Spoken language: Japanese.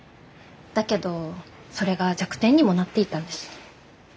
だけどそれが弱点にもなっていたんです。